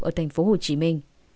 ở thành phố hồ chí minh